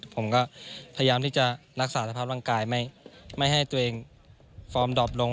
ผมก็พยายามที่จะรักษาสภาพร่างกายไม่ให้ตัวเองฟอร์มดอบลง